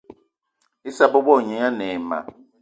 Issa bebo gne ane ayi ma